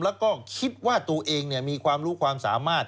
แล้วก็คิดว่าตัวเองมีความรู้ความสามารถ